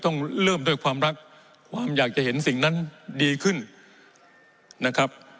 ต้องเริ่มด้วยความรักความอยากจะเห็นสิ่งนั้นดีขึ้นนะครับ